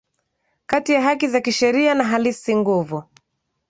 kati ya haki za kisheria na halisi Nguvu